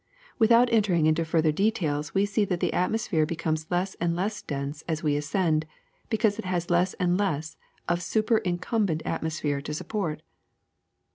Without entering into further details we see that the atmosphere be comes less and less dense as we ascend, because it has less and less of superincumbent atmosphere to sup port.